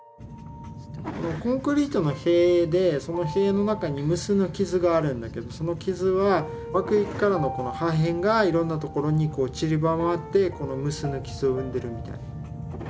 コンクリートの塀でその塀の中に無数の傷があるんだけどその傷は爆撃からの破片がいろんなところに散らばって無数の傷を生んでるみたいな。